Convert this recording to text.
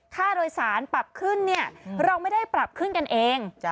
ค่าโดยสารปรับขึ้นเนี่ยเราไม่ได้ปรับขึ้นกันเอง